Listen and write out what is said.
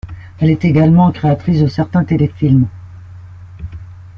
Elle est également créatrice de certains téléfilms.